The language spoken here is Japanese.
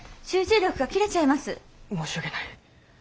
申し訳ない。